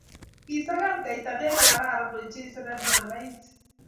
Kisakan kaita ne kararan ochei seremalait.